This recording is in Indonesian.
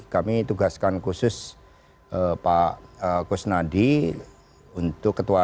kami tugaskan khusus pak kusnadi untuk ketua